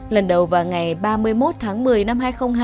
lần đầu vào ngày ba mươi một tháng một mươi năm hai nghìn hai mươi